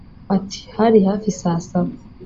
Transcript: Ati “ Hari hafi saa saba